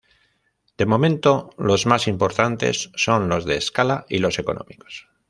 De momento, los más importantes son los de escala y los económicos.